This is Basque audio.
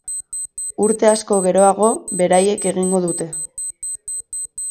Urte asko geroago, beraiek egingo dute.